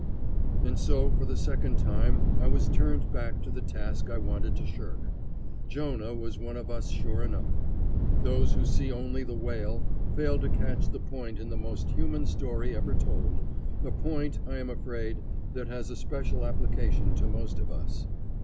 And so for the second time I was turned back to the task I wanted to shirk. Jonah was one of us sure enough. Those who see only the whale fail to catch the point in the most human story ever told a point, I am afraid, that has a special application to most of us.